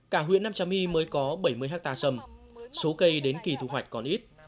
cả huyện nam trà my mới có bảy mươi hectare sầm số cây đến kỳ thu hoạch còn ít